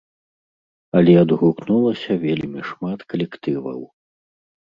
Але адгукнулася вельмі шмат калектываў.